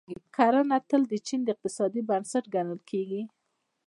کرنه تل د چین د اقتصاد بنسټ ګڼل کیږي.